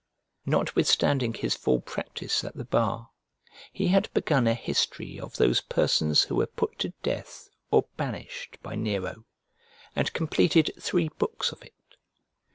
Notwithstanding his full practice at the bar, he had begun a history of those persons who were put to death or banished by Nero, and completed three books of it.